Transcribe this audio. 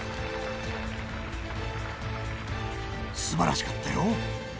素晴らしかったよ。